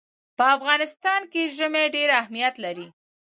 په افغانستان کې ژمی ډېر اهمیت لري.